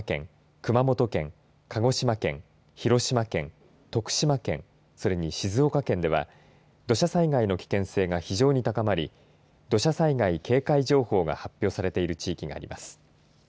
熊本県、鹿児島県、広島県徳島県、それに静岡県では土砂災害の危険性が非常に高まり土砂災害警戒情報が発表されている地域があります。